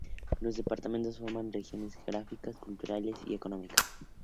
Los departamentos forman regiones geográficas, culturales y económicas.